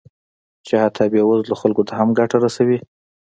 چې حتی بې وزلو خلکو ته هم ګټه رسوي